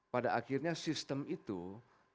pada akhirnya sistem itu akan melibatkan kita